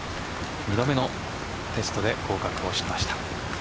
２度目のテストで合格しました。